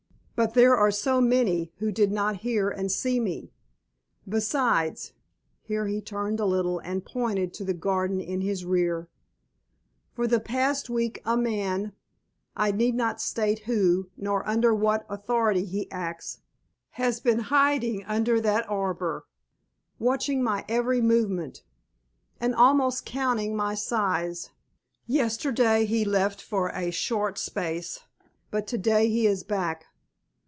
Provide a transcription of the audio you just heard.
"But there are so many who did not hear and see me. Besides" (here he turned a little and pointed to the garden in his rear), "for the past week a man I need not state who, nor under what authority he acts has been in hiding under that arbour, watching my every movement, and almost counting my sighs. Yesterday he left for a short space, but to day he is back.